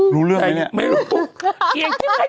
รู้เรื่องอะไรอย่างเนี่ย